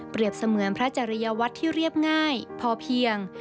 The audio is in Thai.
เสมือนพระจริยวัตรที่เรียบง่ายพอเพียง